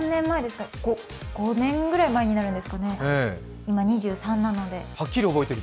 ５年ぐらい前になるんですかね、今２３なので。